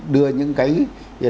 đưa những cái